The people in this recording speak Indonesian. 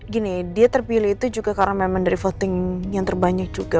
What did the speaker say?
gini dia terpilih itu juga karena memang dari voting yang terbanyak juga